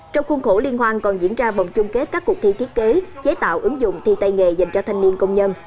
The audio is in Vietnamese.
trong khuôn khổ liên hoan còn diễn ra vòng chung kết các cuộc thi thiết kế chế tạo ứng dụng thi tay nghề dành cho thanh niên công nhân